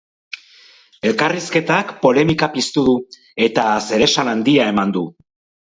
Elkarrizketak polemika piztu du eta zeresan handia eman du.